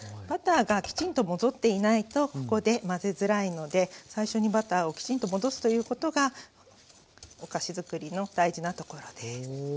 バターがきちんと戻っていないとここで混ぜづらいので最初にバターをきちんと戻すということがお菓子づくりの大事なところです。